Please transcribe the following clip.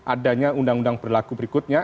adanya undang undang berlaku berikutnya